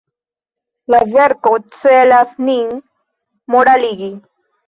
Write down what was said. La verko celas nin moraligi.